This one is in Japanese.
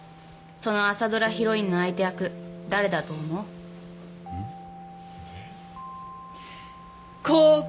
その朝ドラヒロインの相手役誰だと思う？